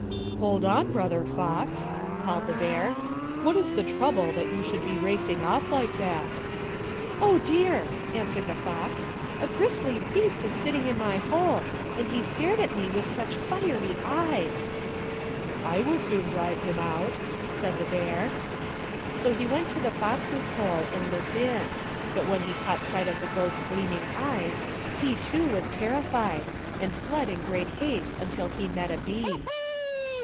" Hold on, Brother Fox !" called the bear, <€ what is the trouble that you should be racing off like that?" " Oh, dear !" answered the fox, " a grisly beast is sitting in my hole, and he stared at me with fiery eyes." " I will soon drive him out," said the bear. So he went to the fox's hole and looked in ; but when he caught sight of the goat's gleaming eyes he too was terrified and fled in great haste until he met a bee.